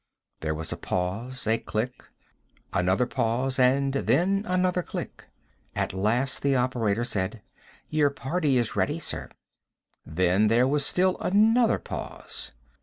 There was a pause, a click, another pause and then another click. At last the operator said: "Your party is ready, sir." Then there was still another pause.